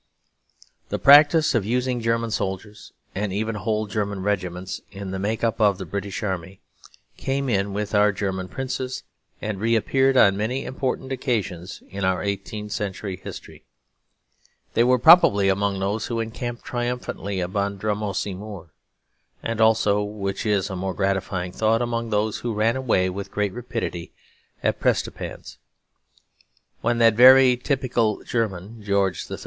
The practice of using German soldiers, and even whole German regiments, in the make up of the British army, came in with our German princes, and reappeared on many important occasions in our eighteenth century history. They were probably among those who encamped triumphantly upon Drumossie Moor, and also (which is a more gratifying thought) among those who ran away with great rapidity at Prestonpans. When that very typical German, George III.